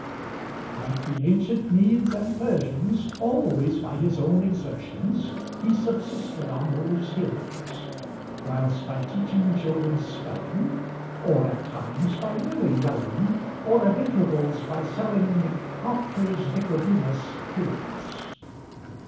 Like the ancient Medes and Persians, Always by his own exertions He subsisted on those hills; Whiles, by teaching children spelling, Or at times by merely yelling, Or at intervals by selling 'Propter's Nicodemus Pills.'